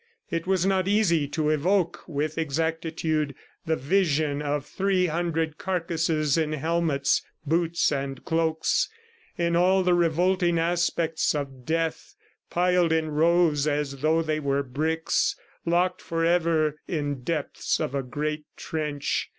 It was not easy to evoke with exactitude the vision of three hundred carcasses in helmets, boots and cloaks, in all the revolting aspects of death, piled in rows as though they were bricks, locked forever in the depths of a great trench.